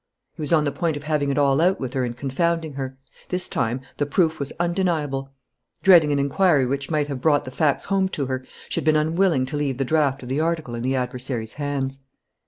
He was on the point of having it all out with her and confounding her. This time, the proof was undeniable. Dreading an inquiry which might have brought the facts home to her, she had been unwilling to leave the draft of the article in the adversary's hands.